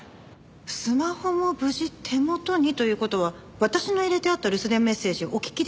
スマホも無事手元にという事は私の入れてあった留守電メッセージお聞きですよね？